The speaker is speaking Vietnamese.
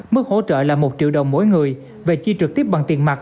mức hỗ trợ là một triệu đồng mỗi người về chi trực tiếp bằng tiền mặt